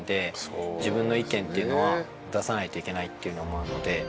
自分の意見っていうのは出さないといけないっていうのもあるので。